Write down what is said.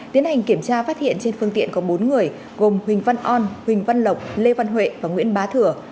tiến hành kiểm tra phát hiện trên phương tiện có bốn người gồm huỳnh văn on huỳnh văn lộc lê văn huệ và nguyễn bá thừa